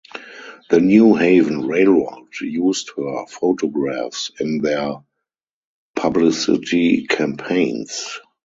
The New Haven Railroad used her photographs in their publicity campaigns.